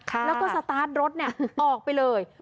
แล้วก็สตาร์ทรถออกไปเลย